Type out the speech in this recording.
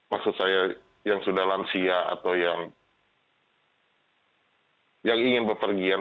maksud saya yang sudah lansia atau yang ingin berpergian